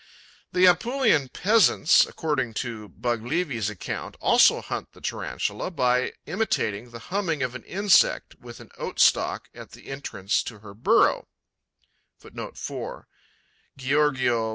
'The Apulian peasants, according to Baglivi's account, also hunt the Tarantula by imitating the humming of an insect with an oat stalk at the entrance to her burrow.